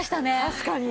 確かに。